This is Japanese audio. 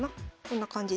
こんな感じで。